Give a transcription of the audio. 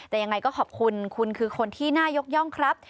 แต่ยังไงก็ขอบคุณคุณคือคนที่น่ายกย่องครับ